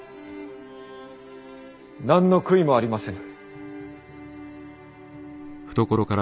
何の悔いもありませぬ。